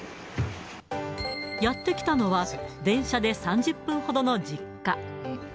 やって来たのは、電車で３０分ほどの実家。